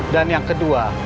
dan yang kedua